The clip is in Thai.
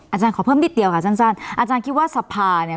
อาจารย์ขอเพิ่มนิดเดียวค่ะสั้นอาจารย์คิดว่าสภาเนี่ย